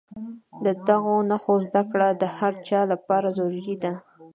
د دغو نښو زده کړه د هر چا لپاره ضروري ده.